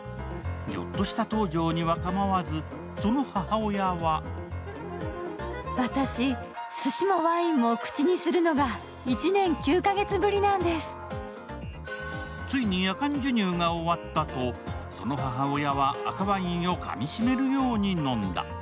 ギョッとした東條には構わず、その母親はついに、夜間授乳が終わったと、その母親は赤ワインをかみしめるように飲んだ。